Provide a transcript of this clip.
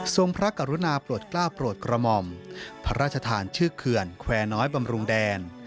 พระกรุณาโปรดกล้าโปรดกระหม่อมพระราชทานชื่อเขื่อนแควร์น้อยบำรุงแดน